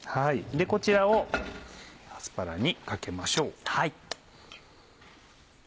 こちらをアスパラにかけましょう。